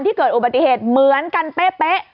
เกิดอุบัติเหตุเหมือนกันเป๊ะ